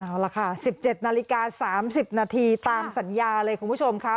เอาล่ะค่ะ๑๗นาฬิกา๓๐นาทีตามสัญญาเลยคุณผู้ชมค่ะ